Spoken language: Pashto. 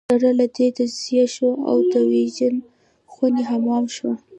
سره له دې تجزیه شوه او د ویرجن خوني حمام شوه.